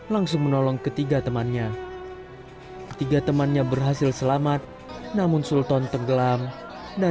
langsung menolong ketiga temannya ketiga temannya berhasil selamat namun sultan tenggelam dan